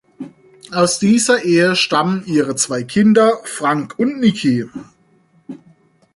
Aus dieser Ehe stammen ihre zwei Kinder, Frank und Nikki.